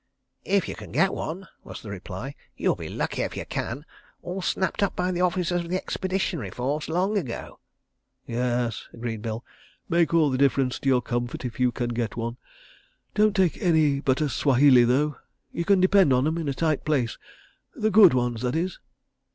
"If you can get one," was the reply. "You'll be lucky if you can. ... All snapped up by the officers of the Expeditionary Force, long ago." "Yes," agreed Bill. "Make all the difference to your comfort if you can get one. Don't take any but a Swahili, though. ... You can depend on 'em, in a tight place. The good ones, that is.